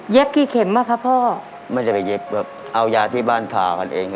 กี่เข็มอ่ะครับพ่อไม่ได้ไปเย็บแบบเอายาที่บ้านทากันเอง